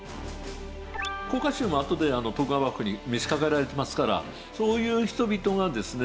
甲賀衆もあとで徳川幕府に召し抱えられてますからそういう人々がですね